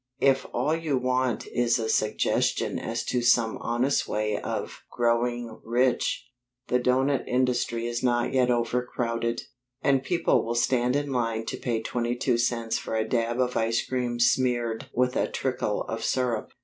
If all you want is a suggestion as to some honest way of growing rich, the doughnut industry is not yet overcrowded; and people will stand in line to pay twenty two cents for a dab of ice cream smeared with a trickle of syrup.